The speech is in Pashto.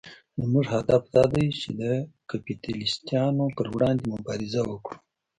زموږ هدف دا دی چې د کپیټلېستانو پر وړاندې مبارزه وکړو.